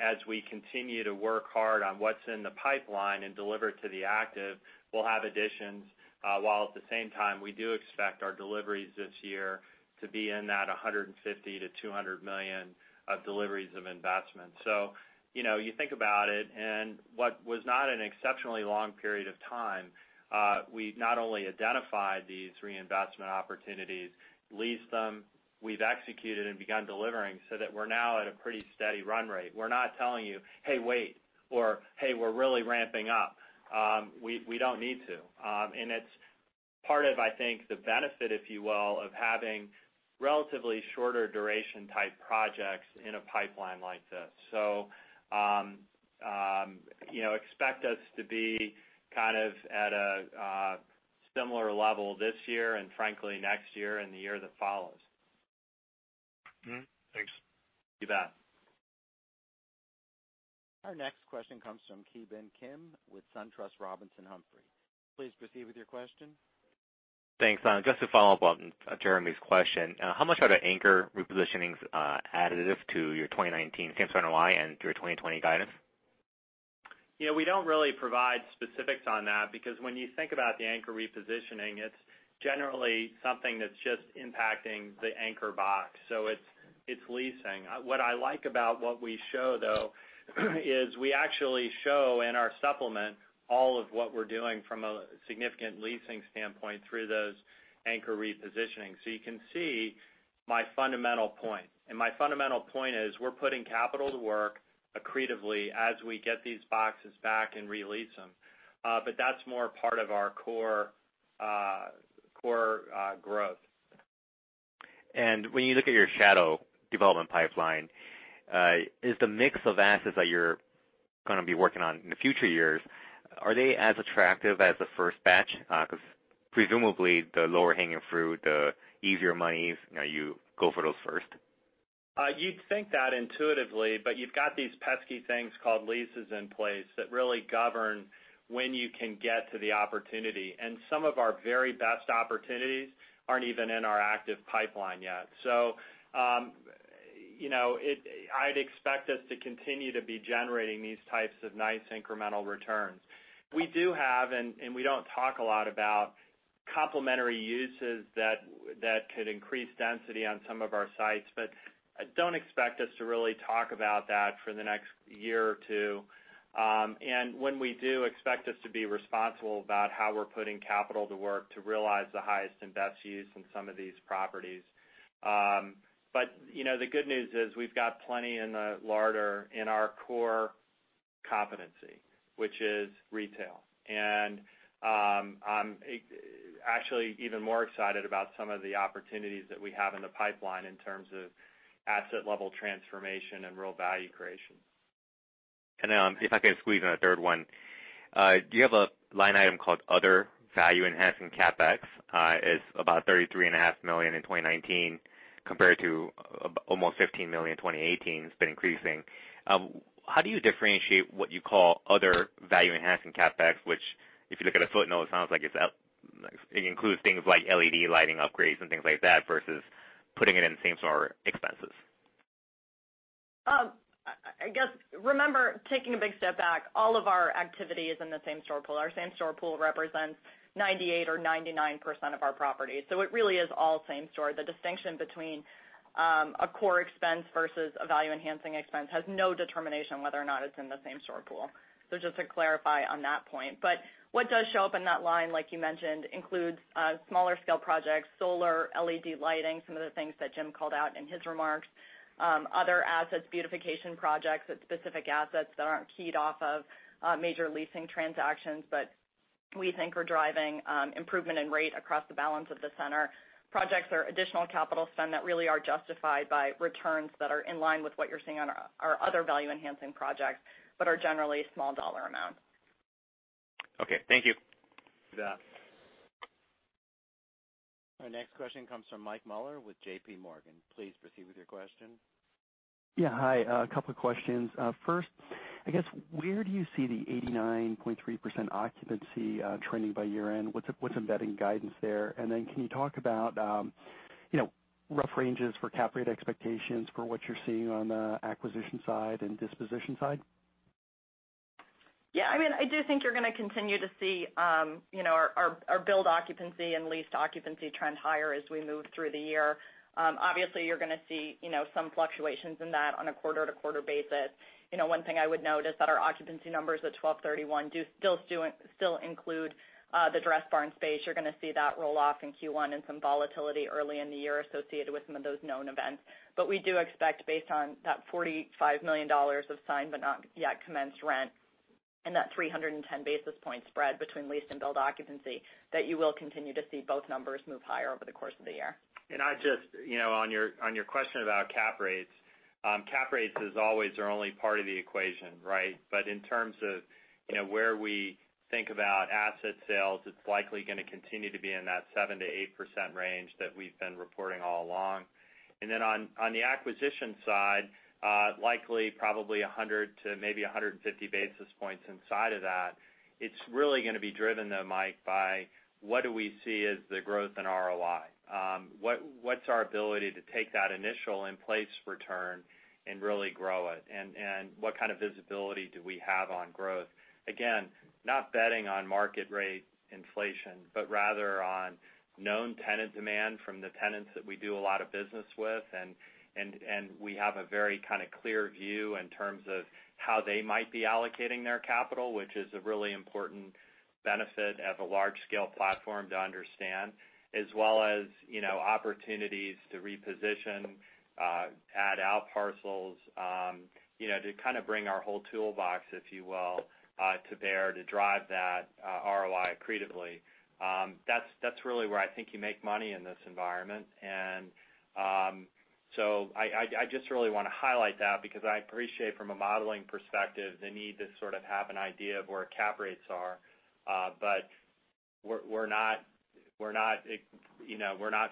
As we continue to work hard on what's in the pipeline and deliver to the active, we'll have additions, while at the same time, we do expect our deliveries this year to be in that $150 million-$200 million of deliveries of investment. You think about it, and what was not an exceptionally long period of time, we not only identified these reinvestment opportunities, leased them, we've executed and begun delivering so that we're now at a pretty steady run rate. We're not telling you, "Hey, wait," or, "Hey, we're really ramping up." We don't need to. It's part of, I think, the benefit, if you will, of having relatively shorter duration type projects in a pipeline like this. Expect us to be kind of at a similar level this year and frankly, next year and the year that follows. Mm-hmm. Thanks. You bet. Our next question comes from Ki Bin Kim with SunTrust Robinson Humphrey. Please proceed with your question. Thanks. Just to follow up on Jeremy's question, how much are the anchor repositionings additive to your 2019 same store NOI and through 2020 guidance? We don't really provide specifics on that because when you think about the anchor repositioning, it's generally something that's just impacting the anchor box. It's leasing. What I like about what we show, though, is we actually show in our supplement all of what we're doing from a significant leasing standpoint through those anchor repositionings. You can see my fundamental point. My fundamental point is we're putting capital to work accretively as we get these boxes back and re-lease them. That's more part of our core growth. When you look at your shadow development pipeline, is the mix of assets that you're going to be working on in the future years, are they as attractive as the first batch? Presumably, the lower hanging fruit, the easier monies, you go for those first. You'd think that intuitively, but you've got these pesky things called leases in place that really govern when you can get to the opportunity. Some of our very best opportunities aren't even in our active pipeline yet. I'd expect us to continue to be generating these types of nice incremental returns. We do have, and we don't talk a lot about complementary uses that could increase density on some of our sites, but don't expect us to really talk about that for the next year or two. When we do, expect us to be responsible about how we're putting capital to work to realize the highest and best use in some of these properties. The good news is we've got plenty in the larder in our core competency, which is retail. I'm actually even more excited about some of the opportunities that we have in the pipeline in terms of asset level transformation and real value creation. If I could squeeze in a third one. You have a line item called other value-enhancing CapEx. It's about $33.5 million in 2019 compared to almost $15 million in 2018. It's been increasing. How do you differentiate what you call other value-enhancing CapEx, which, if you look at a footnote, sounds like it includes things like LED lighting upgrades and things like that versus putting it in same-store expenses. I guess, remember, taking a big step back, all of our activity is in the same-store pool. Our same-store pool represents 98% or 99% of our property. It really is all same store. The distinction between a core expense versus a value-enhancing expense has no determination whether or not it's in the same-store pool. Just to clarify on that point. What does show up in that line, like you mentioned, includes smaller scale projects, solar, LED lighting, some of the things that Jim called out in his remarks, other assets, beautification projects at specific assets that aren't keyed off of major leasing transactions, but we think are driving improvement in rate across the balance of the center. Projects are additional capital spend that really are justified by returns that are in line with what you're seeing on our other value-enhancing projects, but are generally small dollar amounts. Okay. Thank you. You bet. Our next question comes from Michael Mueller with JPMorgan. Please proceed with your question. Yeah. Hi. A couple of questions. First, I guess, where do you see the 89.3% occupancy trending by year-end? What's embedding guidance there? Can you talk about rough ranges for cap rate expectations for what you're seeing on the acquisition side and disposition side? I do think you're going to continue to see our build occupancy and leased occupancy trend higher as we move through the year. Obviously, you're going to see some fluctuations in that on a quarter-to-quarter basis. One thing I would note is that our occupancy numbers at 12/31 do still include the Dressbarn space. You're going to see that roll off in Q1 and some volatility early in the year associated with some of those known events. We do expect, based on that $45 million of signed but not yet commenced rent and that 310 basis points spread between leased and build occupancy, that you will continue to see both numbers move higher over the course of the year. On your question about cap rates. Cap rates as always are only part of the equation, right? In terms of where we think about asset sales, it's likely going to continue to be in that 7%-8% range that we've been reporting all along. On the acquisition side, likely probably 100 to maybe 150 basis points inside of that. It's really going to be driven, though, Mike, by what do we see as the growth in ROI. What's our ability to take that initial in-place return and really grow it, and what kind of visibility do we have on growth? Again, not betting on market rate inflation, but rather on known tenant demand from the tenants that we do a lot of business with. We have a very clear view in terms of how they might be allocating their capital, which is a really important benefit as a large-scale platform to understand, as well as opportunities to reposition, add outparcels, to kind of bring our whole toolbox, if you will, to bear to drive that ROI accretively. That's really where I think you make money in this environment. I just really want to highlight that because I appreciate from a modeling perspective the need to sort of have an idea of where cap rates are. We're not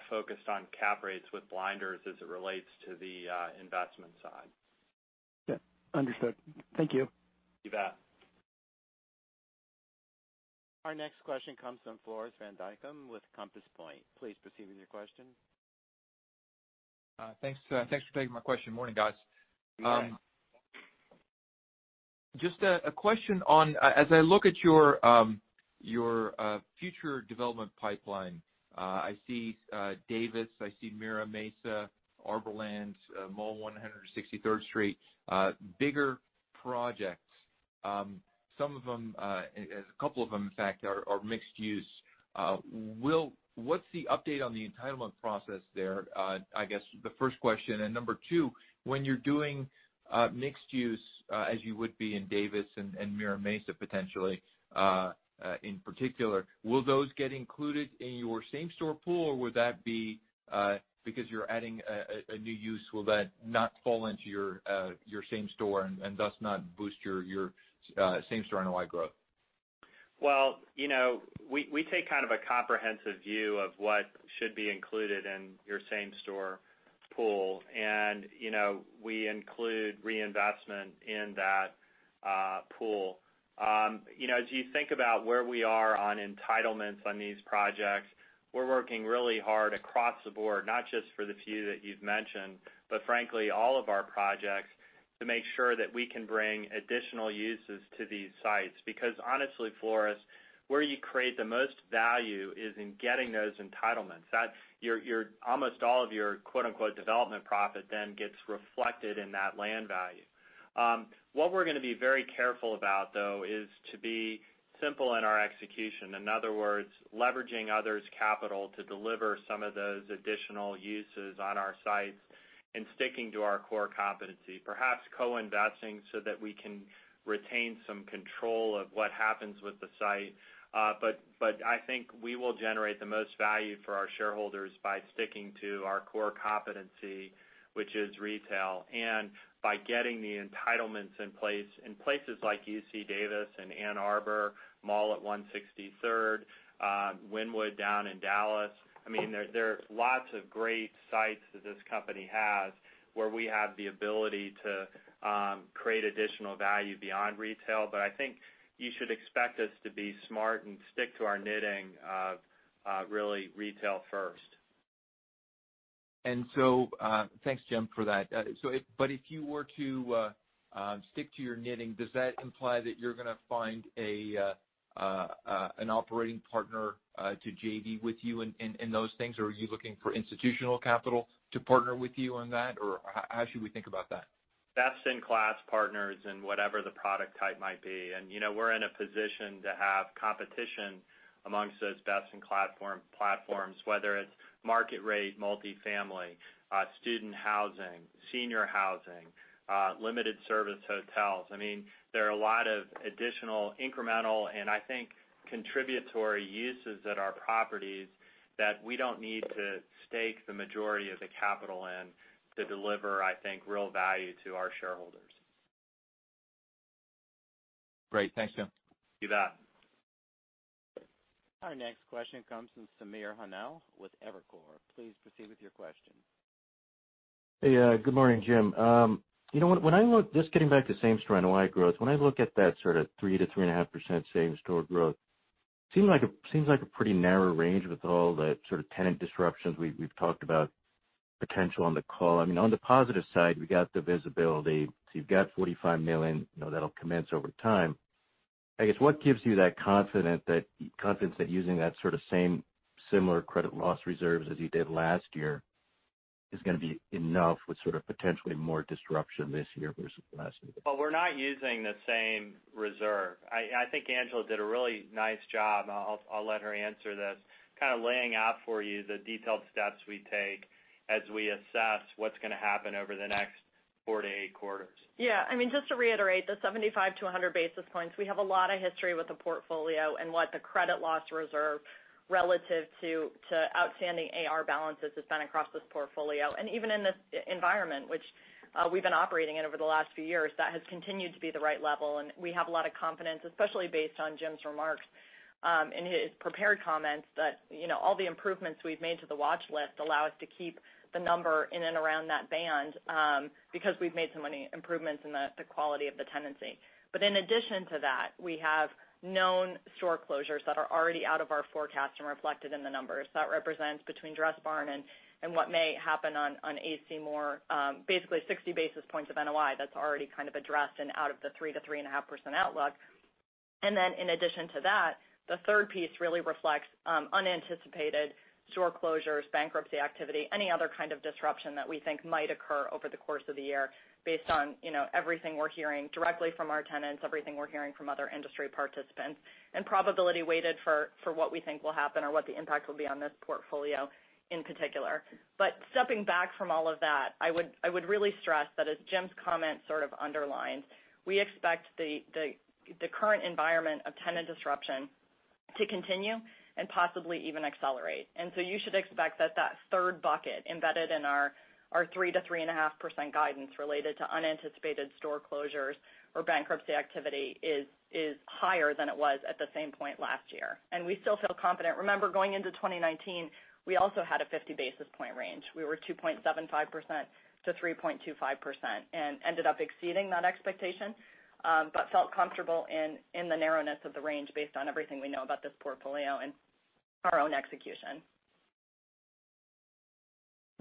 focused on cap rates with blinders as it relates to the investment side. Yeah. Understood. Thank you. You bet. Our next question comes from Floris van Dijkum with Compass Point. Please proceed with your question. Thanks for taking my question. Morning, guys. Good morning. Morning. Just a question on, as I look at your future development pipeline, I see Davis, I see Mira Mesa, Arborland, Mall at 163rd Street, bigger projects. Some of them, a couple of them, in fact, are mixed use. What's the update on the entitlement process there? I guess the first question. Number 2, when you're doing mixed use, as you would be in Davis and Mira Mesa, potentially, in particular, will those get included in your same-store pool, or would that be because you're adding a new use, will that not fall into your same-store and thus not boost your same-store NOI growth? Well, we take kind of a comprehensive view of what should be included in your same-store pool, and we include reinvestment in that pool. As you think about where we are on entitlements on these projects, we're working really hard across the board, not just for the few that you've mentioned, but frankly, all of our projects to make sure that we can bring additional uses to these sites. Honestly, Floris, where you create the most value is in getting those entitlements. Almost all of your "development profit" then gets reflected in that land value. What we're going to be very careful about, though, is to be simple in our execution. In other words, leveraging others' capital to deliver some of those additional uses on our sites and sticking to our core competency. Perhaps co-investing so that we can retain some control of what happens with the site. I think we will generate the most value for our shareholders by sticking to our core competency, which is retail, and by getting the entitlements in place in places like UC Davis and Ann Arbor, Mall at 163rd, Wynwood down in Dallas. There are lots of great sites that this company has where we have the ability to create additional value beyond retail. I think you should expect us to be smart and stick to our knitting of really retail first. Thanks, Jim, for that. If you were to stick to your knitting, does that imply that you're going to find an operating partner to JV with you in those things? Or are you looking for institutional capital to partner with you on that, or how should we think about that? Best-in-class partners in whatever the product type might be. We're in a position to have competition amongst those best-in-class platforms, whether it's market-rate multifamily, student housing, senior housing, limited service hotels. There are a lot of additional incremental and, I think, contributory uses at our properties that we don't need to stake the majority of the capital in to deliver, I think, real value to our shareholders. Great. Thanks, Jim. You bet. Our next question comes from Samir Khanal with Evercore. Please proceed with your question. Hey, good morning, Jim. Just getting back to same-store NOI growth, when I look at that sort of 3%-3.5% same-store growth, seems like a pretty narrow range with all the sort of tenant disruptions we've talked about potential on the call. On the positive side, we got the visibility. You've got $45 million, that'll commence over time. I guess, what gives you that confidence that using that sort of same similar credit loss reserves as you did last year is going to be enough with sort of potentially more disruption this year versus last year? Well, we're not using the same reserve. I think Angela did a really nice job, and I'll let her answer this, kind of laying out for you the detailed steps we take as we assess what's going to happen over the next four to eight quarters. Yeah. Just to reiterate, the 75-100 basis points, we have a lot of history with the portfolio and what the credit loss reserve relative to outstanding AR balances has been across this portfolio. Even in this environment, which we've been operating in over the last few years, that has continued to be the right level, and we have a lot of confidence, especially based on Jim's remarks in his prepared comments, that all the improvements we've made to the watch list allow us to keep the number in and around that band because we've made so many improvements in the quality of the tenancy. In addition to that, we have known store closures that are already out of our forecast and reflected in the numbers. That represents between Dressbarn and what may happen on A.C. Moore, basically 60 basis points of NOI that's already kind of addressed and out of the 3%-3.5% outlook. In addition to that, the third piece really reflects unanticipated store closures, bankruptcy activity, any other kind of disruption that we think might occur over the course of the year based on everything we're hearing directly from our tenants, everything we're hearing from other industry participants, and probability weighted for what we think will happen or what the impact will be on this portfolio in particular. Stepping back from all of that, I would really stress that as Jim's comment sort of underlined, we expect the current environment of tenant disruption to continue and possibly even accelerate. You should expect that that third bucket embedded in our 3%-3.5% guidance related to unanticipated store closures or bankruptcy activity is higher than it was at the same point last year. We still feel confident. Remember, going into 2019, we also had a 50-basis-point range. We were 2.75%-3.25% and ended up exceeding that expectation but felt comfortable in the narrowness of the range based on everything we know about this portfolio and our own execution.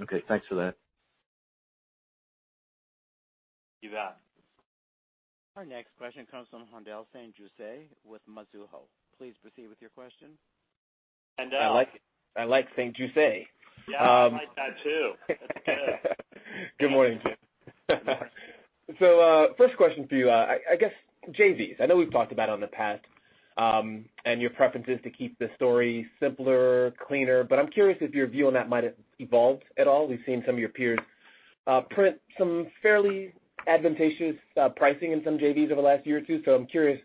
Okay, thanks for that. You bet. Our next question comes from Haendel St. Juste with Mizuho. Please proceed with your question. Handal. I like St. Juste. Yeah, I like that too. That's good. Good morning, Jim. First question for you, I guess JVs, I know we've talked about it in the past, and your preference is to keep the story simpler, cleaner, but I'm curious if your view on that might have evolved at all. We've seen some of your peers print some fairly advantageous pricing in some JVs over the last year or two, so I'm curious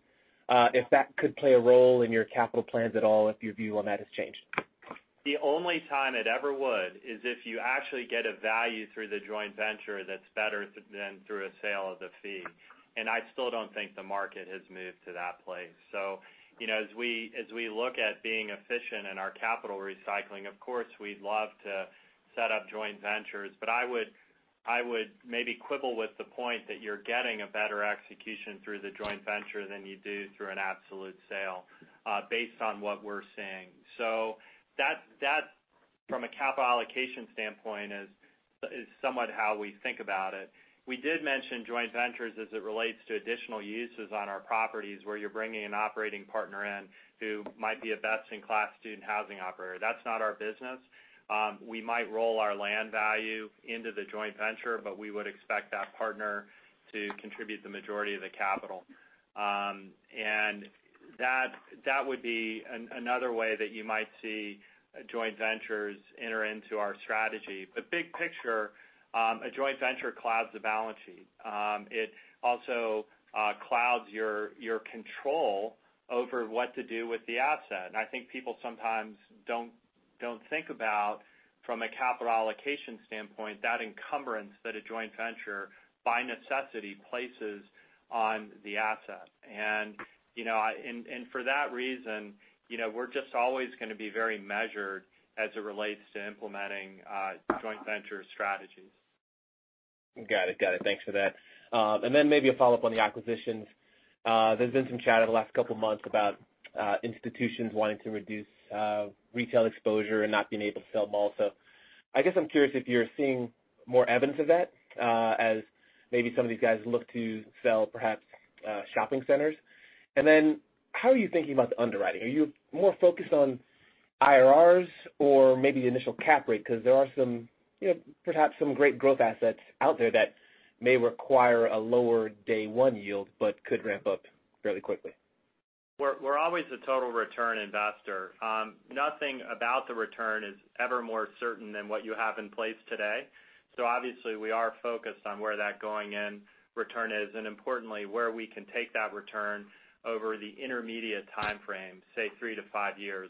if that could play a role in your capital plans at all, if your view on that has changed. The only time it ever would is if you actually get a value through the joint venture that's better than through a sale of the fee. I still don't think the market has moved to that place. As we look at being efficient in our capital recycling, of course, we'd love to set up joint ventures, but I would maybe quibble with the point that you're getting a better execution through the joint venture than you do through an absolute sale based on what we're seeing. That, from a capital allocation standpoint, is somewhat how we think about it. We did mention joint ventures as it relates to additional uses on our properties, where you're bringing an operating partner in who might be a best-in-class student housing operator. That's not our business. We might roll our land value into the joint venture. We would expect that partner to contribute the majority of the capital. That would be another way that you might see joint ventures enter into our strategy. Big picture, a joint venture clouds the balance sheet. It also clouds your control over what to do with the asset, and I think people sometimes don't think about, from a capital allocation standpoint, that encumbrance that a joint venture, by necessity, places on the asset. For that reason, we're just always going to be very measured as it relates to implementing joint venture strategies. Got it. Thanks for that. Then maybe a follow-up on the acquisitions. There's been some chatter the last couple of months about institutions wanting to reduce retail exposure and not being able to sell malls. I guess I'm curious if you're seeing more evidence of that as maybe some of these guys look to sell perhaps shopping centers. Then how are you thinking about the underwriting? Are you more focused on IRRs or maybe the initial cap rate? Because there are perhaps some great growth assets out there that may require a lower day-one yield but could ramp up fairly quickly. We're always a total return investor. Nothing about the return is ever more certain than what you have in place today. Obviously we are focused on where that going-in return is, and importantly, where we can take that return over the intermediate timeframe, say three to five years,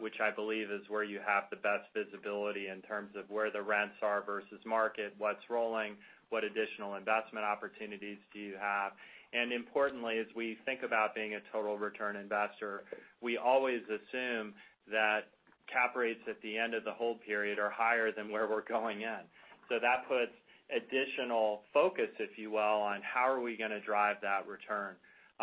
which I believe is where you have the best visibility in terms of where the rents are versus market, what's rolling, what additional investment opportunities do you have. Importantly, as we think about being a total return investor, we always assume that cap rates at the end of the hold period are higher than where we're going in. That puts additional focus, if you will, on how are we going to drive that return.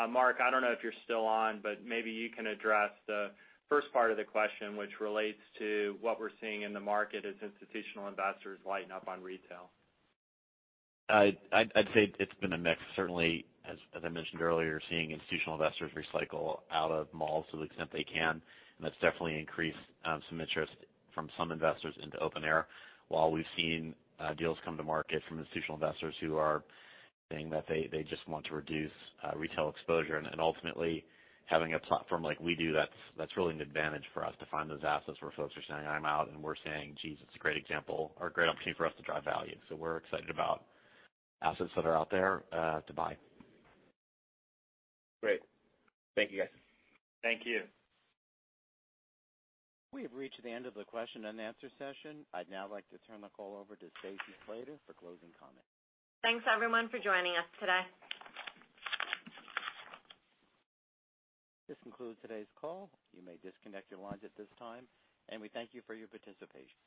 Mark, I don't know if you're still on, but maybe you can address the first part of the question, which relates to what we're seeing in the market as institutional investors lighten up on retail. I'd say it's been a mix. Certainly, as I mentioned earlier, seeing institutional investors recycle out of malls to the extent they can, that's definitely increased some interest from some investors into open air. While we've seen deals come to market from institutional investors who are saying that they just want to reduce retail exposure. Ultimately, having a platform like we do, that's really an advantage for us to find those assets where folks are saying, "I'm out," and we're saying, "Geez, it's a great example or a great opportunity for us to drive value." We're excited about assets that are out there to buy. Great. Thank you, guys. Thank you. We have reached the end of the question and answer session. I'd now like to turn the call over to Stacy Slater for closing comments. Thanks, everyone, for joining us today. This concludes today's call. You may disconnect your lines at this time, and we thank you for your participation.